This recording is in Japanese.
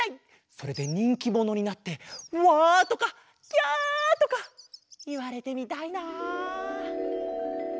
それでにんきものになってワとかキャとかいわれてみたいな。